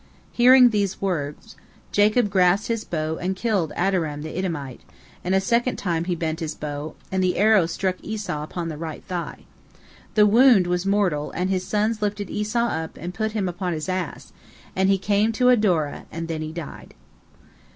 Hearing these words, Jacob grasped his bow and killed Adoram the Edomite, and a second time he bent his bow, and the arrow struck Esau upon the right thigh. The wound was mortal, and his sons lifted Esau up and put him upon his ass, and he came to Adora, and there he died.